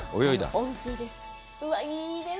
温水です。